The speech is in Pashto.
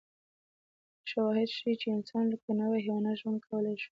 شواهد ښيي چې انسان که نه وای، حیواناتو ژوند کولای شوی.